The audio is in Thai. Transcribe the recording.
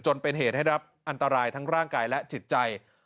จนเป็นเหตุให้รับอันตรายทั้งร่างกายและจิตใจ